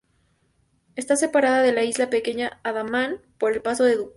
Está separada de la isla Pequeña Andamán por el paso de Duncan.